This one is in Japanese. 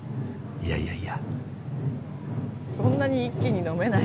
いやいやいやいや。